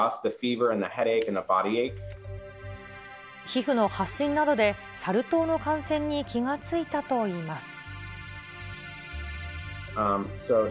皮膚の発疹などで、サル痘の感染に気が付いたといいます。